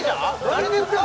誰ですか？